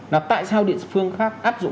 là tại sao địa phương khác áp dụng